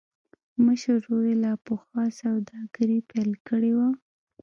مشر ورور يې لا پخوا سوداګري پيل کړې وه.